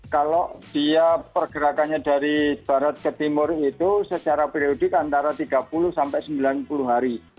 kalau dia pergerakannya dari barat ke timur itu secara periodik antara tiga puluh sampai sembilan puluh hari